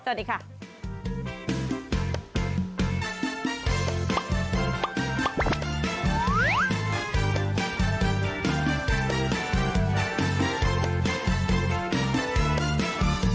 สวัสดีค่ะ